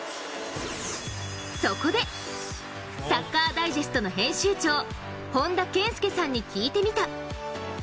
そこで、「サッカーダイジェスト」の編集長本田健介さんに聞いてみた。